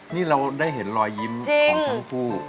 นี่เราได้เห็นรอยยิ้มของทั้งคู่